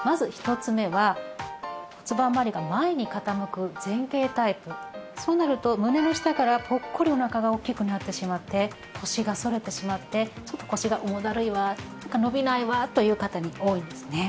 まずそうなると胸の下からポッコリお腹が大きくなってしまって腰が反れてしまってちょっと腰が重だるいわなんか伸びないわという方に多いんですね。